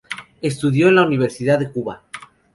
Estudió en la Universidad de Cuba.